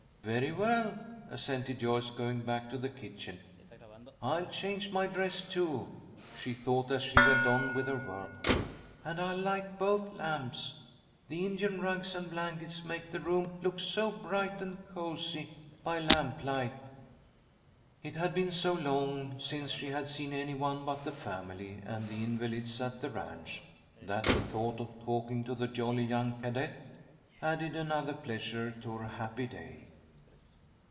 "Very well," assented Joyce, going back to the kitchen. "I'll change my dress, too," she thought, as she went on with her work. "And I'll light both lamps. The Indian rugs and blankets make the room look so bright and cosy by lamplight." It had been so long since she had seen any one but the family and the invalids at the ranch, that the thought of talking to the jolly young cadet added another pleasure to her happy day.